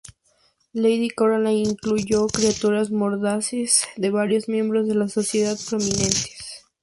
Lady Caroline incluyó caricaturas mordaces de varios miembros de la sociedad prominentes.